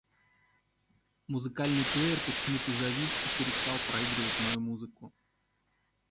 Музыкальный плеер почему-то завис и перестал проигрывать мою музыку.